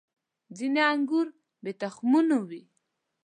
• ځینې انګور بې تخمونو وي.